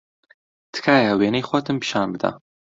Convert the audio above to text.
تکایە وێنەی خۆتم پیشان بدە.